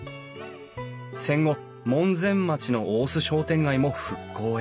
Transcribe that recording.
戦後門前町の大須商店街も復興へ。